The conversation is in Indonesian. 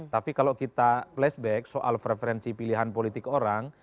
tapi kalau kita flashback soal preferensi pilihan politik orang